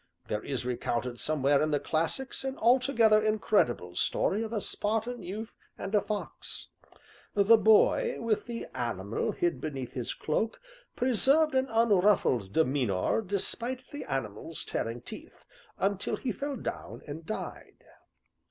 There is recounted somewhere in the classics an altogether incredible story of a Spartan youth and a fox: the boy, with the animal hid beneath his cloak, preserved an unruffled demeanor despite the animal's tearing teeth, until he fell down and died.